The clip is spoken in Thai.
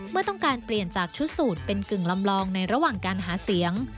เมื่อต้องการเปลี่ยนจากชุดสูตรเป็นกึ่งลำลองในระหว่างการหาเสียง